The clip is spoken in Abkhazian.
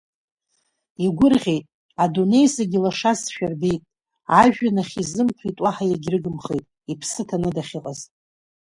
Игәырӷьеит, адунеи зегьы лашазшәа рбеит, ажәҩанахь изымԥрит уаҳа егьрыгымхеит, иԥсы ҭаны дахьыҟаз.